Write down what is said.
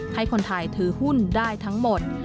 ให้คนไทยถือหุ้นได้ทั้งหมด